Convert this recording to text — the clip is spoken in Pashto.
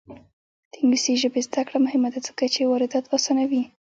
د انګلیسي ژبې زده کړه مهمه ده ځکه چې واردات اسانوي.